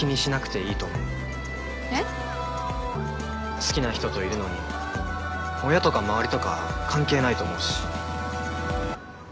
好きな人といるのに親とか周りとか関係ないと思うし。